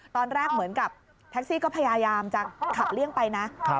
ตอนแรกเหมือนกับแท็กซี่ก็พยายามจะขับเลี่ยงไปนะ